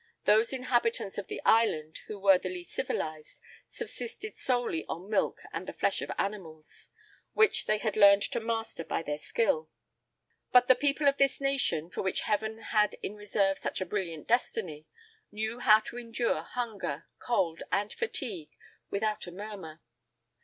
Those inhabitants of the island who were the least civilized subsisted solely on milk and the flesh of animals, [Illustration: Pl. 3] which they had learned to master by their skill.[I 50] But the people of this nation, for which Heaven had in reserve such a brilliant destiny, knew how to endure hunger, cold, and fatigue, without a murmur.